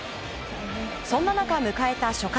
そんな中迎えた初回。